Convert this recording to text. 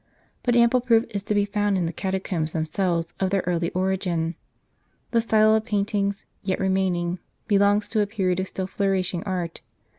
But ample proof is to be found in the catacombs them selves, of their early origin. The style of paintings, yet remaining, belongs to a period of still flourishing art.